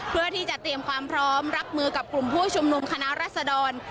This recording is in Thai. เพื่อที่จะเตรียมความพร้อมรับมือกับกลุ่มผู้ชุมนุมคณะรัศดร